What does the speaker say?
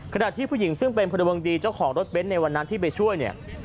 ขณะที่ผู้หญิงซึ่งเป็นพลเมืองดีเจ้าของรถเบ้นในวันนั้นที่ไปช่วยเนี่ย